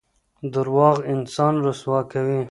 درواغ انسان رسوا کوي.